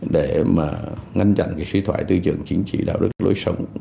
để mà ngăn chặn cái suy thoại tư trưởng chính trị đạo đức lối sống